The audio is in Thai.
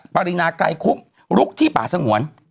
ปรินาไกรคุกลุกที่ป่าสงวน